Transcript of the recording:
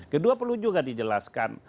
kedua perlu juga dijelaskan